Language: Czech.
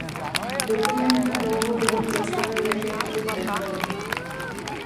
Dokument na dlouhou dobu zastavil jakékoliv reformy.